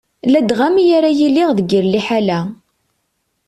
Ladɣa mi ara yiliɣ deg yir lḥala.